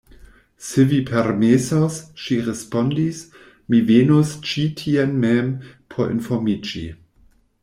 Se vi permesos, ŝi respondis, mi venos ĉi tien mem, por informiĝi.